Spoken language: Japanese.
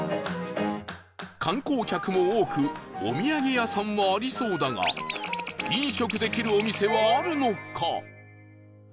観光客も多くお土産屋さんはありそうだが飲食できるお店はあるのか？